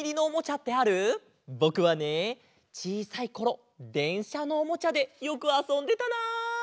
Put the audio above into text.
ぼくはねちいさいころでんしゃのおもちゃでよくあそんでたな！